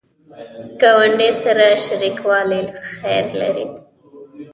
ګاونډي سره شریکوالی خیر لري